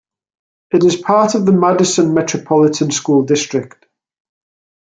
It is part of the Madison Metropolitan School District.